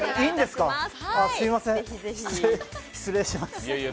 すみません、失礼します。